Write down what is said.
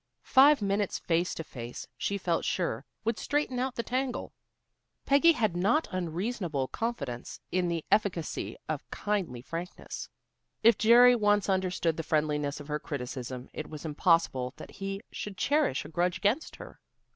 Five minutes face to face, she felt sure, would straighten out the tangle. Peggy had a not unreasonable confidence in the efficacy of kindly frankness. If Jerry once understood the friendliness of her criticism, it was impossible that he should cherish a grudge against her.